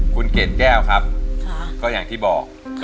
คุณเกดแก้วครับก็อย่างที่บอกก็ตอนนี้มีสิทธิ์